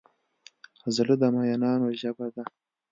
زړه د مینانو ژبه ده.